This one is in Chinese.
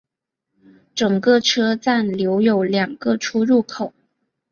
整个车站留有两个出入口。